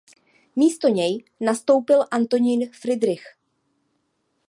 Místo něj nastoupil Antonín Fridrich.